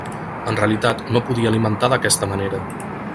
En realitat, no podia alimentar d'aquesta manera.